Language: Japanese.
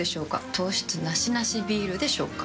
糖質ナシナシビールでしょうか？